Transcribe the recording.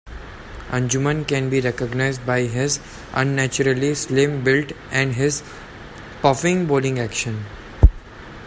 Anjum can be recognised by his unnaturally slim build and his "puffing" bowling action.